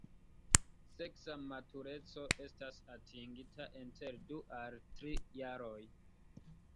Seksa matureco estas atingita inter du al tri jaroj.